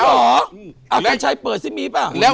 อ๋อหรออาจารย์ชายเปิดซิมีป่ะ